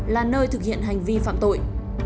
là nơi thực hiện hành vi phạm tội